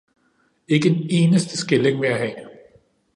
Ikke en eneste skilling vil jeg have!